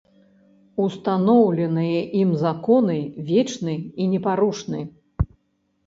Устаноўленыя ім законы вечны і непарушны.